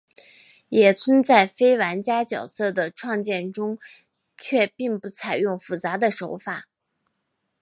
野村在非玩家角色的创建中却并不采用复杂的手法。